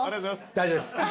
大丈夫です。